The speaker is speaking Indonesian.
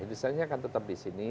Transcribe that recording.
desainnya akan tetap di sini